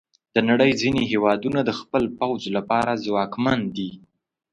د نړۍ ځینې هیوادونه د خپل پوځ لپاره ځواکمن دي.